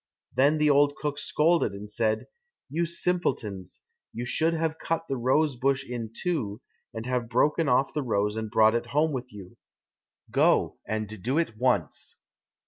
Then the old cook scolded and said, "You simpletons, you should have cut the rose bush in two, and have broken off the rose and brought it home with you; go, and do it once."